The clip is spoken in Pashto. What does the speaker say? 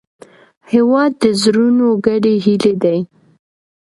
هېواد د زړونو ګډې هیلې دي.